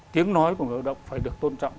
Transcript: tiếng nói của người lao động phải được tôn trọng